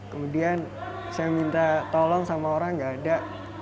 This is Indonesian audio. kemudian saya minta tolong sama orang gak ada